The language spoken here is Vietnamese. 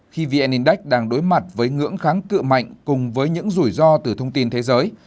khi vn index đang đối mặt với ngưỡng kháng cự mạnh cùng với những rủi ro từ thông tin thế giới